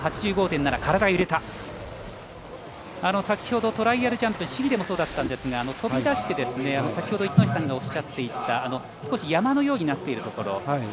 先ほど、トライアルジャンプ試技でもそうだったんですが飛び出して先ほど一戸さんがおっしゃっていた少し山のようになっているところ。